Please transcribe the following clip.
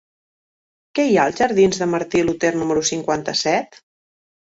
Què hi ha als jardins de Martí Luter número cinquanta-set?